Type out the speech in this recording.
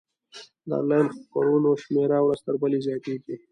د انلاین خپرونو شمېره ورځ تر بلې زیاتیږي.